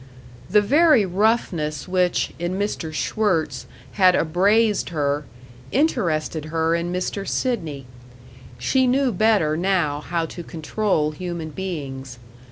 The very roughness which, in Mr. Schwirtz, had abraised her, interested her in Mr. Sidney. She knew better now how to control human beings.